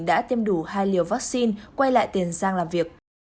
đã tiêm đủ hai liều vaccine quay lại tiền giang làm việc